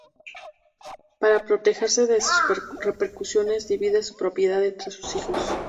Para protegerse de repercusiones, divide su propiedad entre sus hijos.